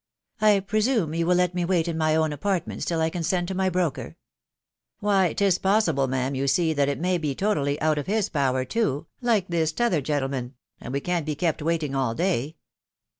" I presume you will let me wait in my own apartments till I can send to my broker ?"" Why, 'tis possible, ma'am, you see, that it may be totally out of his power too, like this t'other gentleman .... and we can't be kept waiting all day